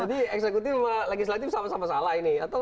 jadi eksekutif sama legislatif sama sama salah ini